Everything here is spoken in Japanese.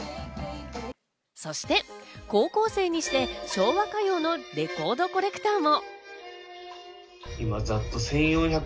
そして高校生にして昭和歌謡のレコードコレクターも。